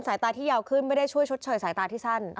ตาที่ยาวขึ้นไม่ได้ช่วยชดเชยสายตาที่สั้น